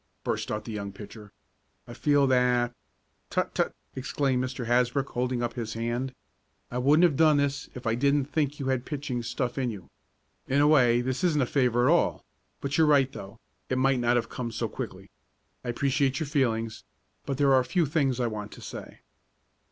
burst out the young pitcher. "I feel that " "Tut! Tut!" exclaimed Mr. Hasbrook, holding up his hand, "I wouldn't have done this if I didn't think you had pitching stuff in you. In a way this isn't a favor at all, but you're right though, it might not have come so quickly. I appreciate your feelings, but there are a few things I want to say.